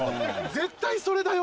絶対それだよ？